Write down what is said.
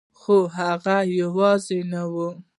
خو هغه یوازې نه وه